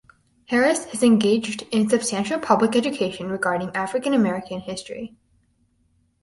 Harris has engaged in substantial public education regarding African American history.